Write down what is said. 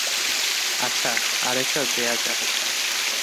আচ্ছা, আরেকটা দেয়া যাক।